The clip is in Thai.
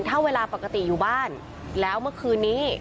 ถ้าเวลาปกติอยู่บ้านแล้วเมื่อคืนนี้